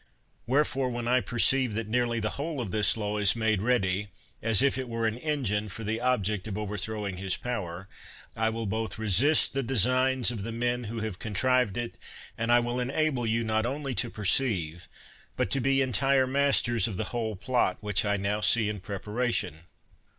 Wherefore, when I perceive that nearly the whole of this law is made ready, as if it were an engine for the object of overtliowing his power, I will both resist the designs of the men who have contrived it, and I will enable you not only to perceive, but to be entire masters of the whole plot which I now see in preparation.